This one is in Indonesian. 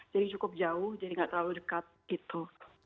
jadi cukup jauh jadi nggak terlalu dekat itu